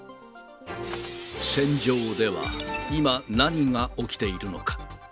戦場では今、何が起きているのか。